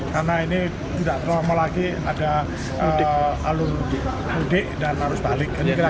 karena ini tidak terlalu lama lagi ada alur mudik dan harus balik